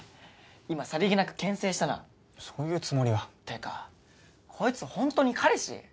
今さりげなく牽制したなそういうつもりはってかこいつホントに彼氏？